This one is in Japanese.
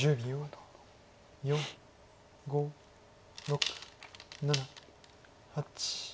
４５６７８。